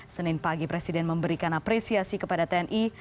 senin pagi presiden memberikan apresiasi kepada tni